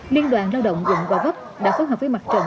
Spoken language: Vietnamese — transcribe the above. liên đoàn lao động quận gò vấp đã phối hợp với mặt trận